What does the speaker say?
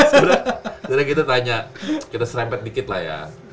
sebenarnya kita tanya kita serempet dikit lah ya